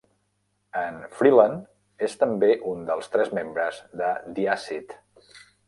En Freeland és també un dels tres membres de The Acid.